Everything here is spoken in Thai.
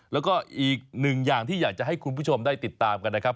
แล้วก็อีกหนึ่งอย่างที่อยากจะให้คุณผู้ชมได้ติดตามกันนะครับ